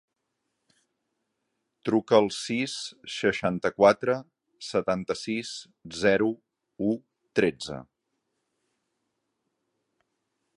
Truca al sis, seixanta-quatre, setanta-sis, zero, u, tretze.